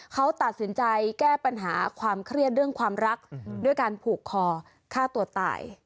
เขาตัดสินใจแก้ปัญหาความเครียดเรื่องความรักด้วยการผูกคอฆ่าตัวตาย